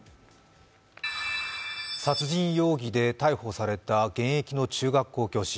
殺人容疑で逮捕された現役の中学校教師。